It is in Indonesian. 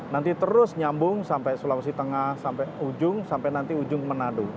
nanti terus nyambung sampai sulawesi tengah sampai ujung sampai nanti ujung menado